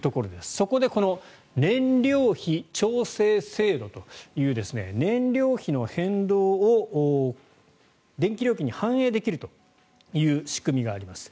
そこでこの燃料費調整制度という燃料費の変動を電気料金に反映できるという仕組みがあります。